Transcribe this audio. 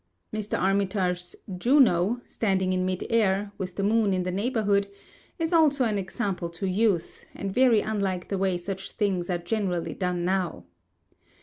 Mr. Armitage's "Juno," standing in mid air, with the moon in the neighbourhood, is also an example to youth, and very unlike the way such things are generally done now.